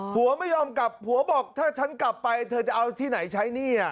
ผัวไม่ยอมกลับผัวบอกถ้าฉันกลับไปเธอจะเอาที่ไหนใช้หนี้